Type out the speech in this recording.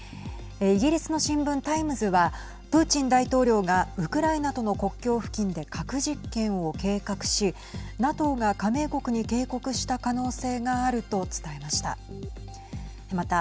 イギリスの新聞タイムズはプーチン大統領が、ウクライナとの国境付近で核実験を計画しＮＡＴＯが加盟国に警告した可能性があると伝えました。